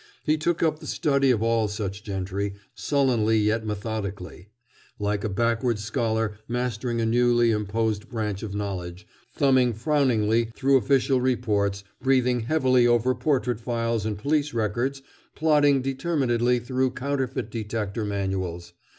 He took up the study of all such gentry, sullenly yet methodically, like a backward scholar mastering a newly imposed branch of knowledge, thumbing frowningly through official reports, breathing heavily over portrait files and police records, plodding determinedly through counterfeit detector manuals.